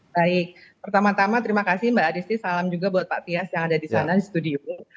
baik pertama tama terima kasih mbak aristi salam juga buat pak tias yang ada di sana di studio